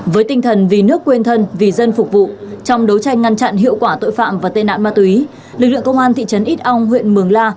với tinh thần vì nước quên thân vì dân phục vụ trong đấu tranh ngăn chặn hiệu quả tội phạm và tên nạn ma túy lực lượng công an thị trấn ít ong huyện mường la